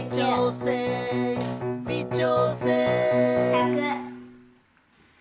１００！